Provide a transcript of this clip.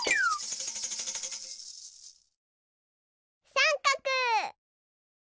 さんかく！